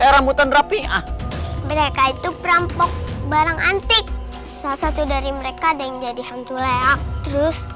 rambutan rapi ah mereka itu perampok barang antik salah satu dari mereka yang jadi hantu leak terus